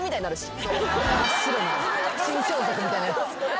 真っ白な死に装束みたいなやつ。